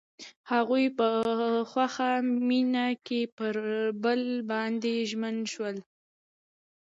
هغوی په خوښ مینه کې پر بل باندې ژمن شول.